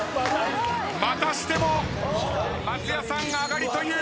またしても松也さん上がりという場面。